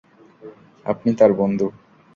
আপনি তাঁর বন্ধু।